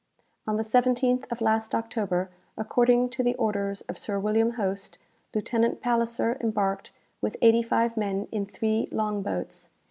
"On the 17th of last October, according to the orders of Sir William Hoste, Lieutenant Palisser embarked with eighty five men in three long boats.